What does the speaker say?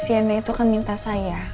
siandai itu kan minta saya